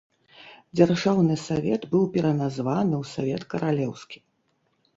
Дзяржаўны савет быў пераназваны ў савет каралеўскі.